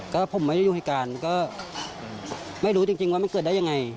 ก็ผมไม่ยุ่งให้การก็ไม่รู้จริงว่ามันเกิดได้ยังไง